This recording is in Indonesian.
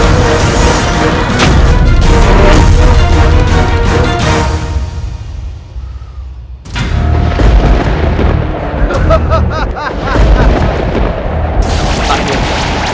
masuklah ke dalam tubuhmu